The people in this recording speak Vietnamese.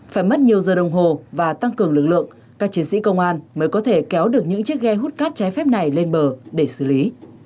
phải mất nhiều giờ đồng hồ và tăng cường lực lượng các chiến sĩ công an mới có thể kéo được những chiếc ghe hút cát trái phép này lên bờ để xử lý